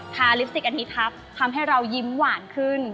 ลิปสติกอันนี้ทับทำให้เรายิ้มหวานขึ้น